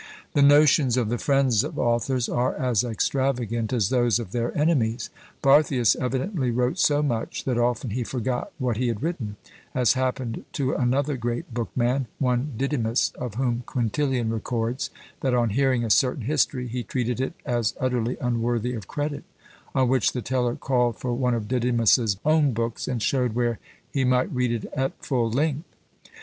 The notions of the friends of authors are as extravagant as those of their enemies. Barthius evidently wrote so much, that often he forgot what he had written, as happened to another great book man, one Didymus, of whom Quintilian records, that on hearing a certain history, he treated it as utterly unworthy of credit; on which the teller called for one of Didymus's own books, and showed where he might read it at full length!